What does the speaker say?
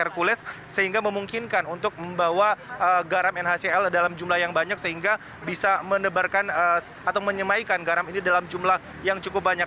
hercules sehingga memungkinkan untuk membawa garam nhcl dalam jumlah yang banyak sehingga bisa menebarkan atau menyemaikan garam ini dalam jumlah yang cukup banyak